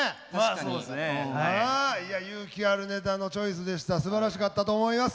いや勇気あるネタのチョイスでしたすばらしかったと思います。